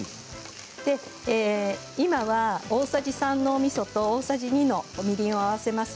今は大さじ３のおみそと大さじ２のみりんを合わせました。